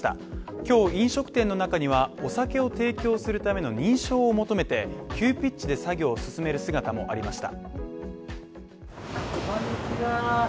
今日飲食店の中には、お酒を提供するための認証を求めて急ピッチで作業を進める姿もありました。